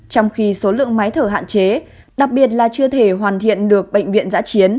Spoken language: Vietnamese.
trong khi số lượng máy thở hạn chế đặc biệt là chưa thể hoàn thiện được bệnh viện giã chiến